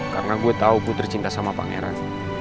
karena gue tau putri cinta sama pak ngeran